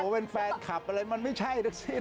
เป็นแฟนคลับอะไรมันไม่ใช่ทั้งสิ้น